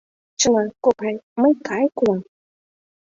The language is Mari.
— Чынак, кокай, мый кайык улам!